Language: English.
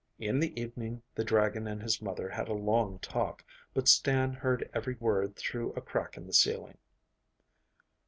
In the evening the dragon and his mother had a long talk, but Stan heard every word through a crack in the ceiling.